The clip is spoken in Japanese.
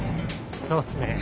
そうっすね。